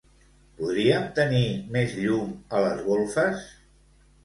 Podríem tenir més llum a les golfes?